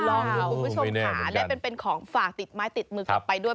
คุณผู้ชมค่ะและเป็นของฝากติดไม้ติดมือกลับไปด้วย